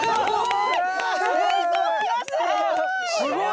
すごい！